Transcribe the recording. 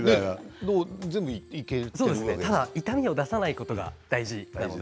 ただ痛みを出さないことは大事です。